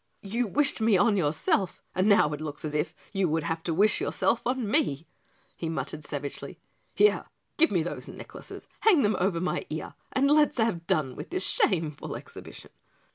"You wished me on yourself and now it looks as if you would have to wish yourself on me," he muttered savagely. "Here, give me those necklaces hang them over my ear and let's have done with this shameful exhibition."